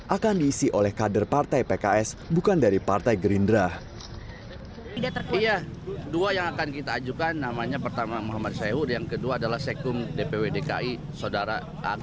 akan diisi oleh kader partai pks bukan dari partai gerindra